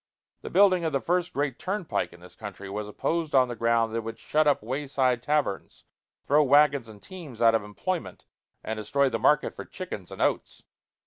The building of the first great turnpike in this country was opposed on the ground that it would shut up way side taverns, throw wagons and teams out of employment, and destroy the market for chickens and oats.